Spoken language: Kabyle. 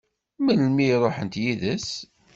Melmi i ṛuḥent yid-s?